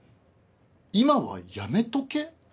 今はやめとけ？